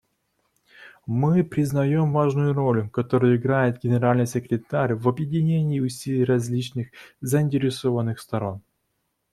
Мы признаем важную роль, которую играет Генеральный секретарь в объединении усилий различных заинтересованных сторон.